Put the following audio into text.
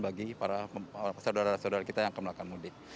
bagi para saudara saudara kita yang akan melakukan mudik